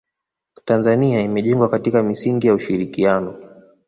tanzania imejengwa katika misingi ya ushirikiano